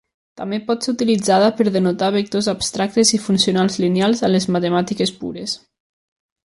També pot ser utilitzada per denotar vectors abstractes i funcionals lineals en les matemàtiques pures.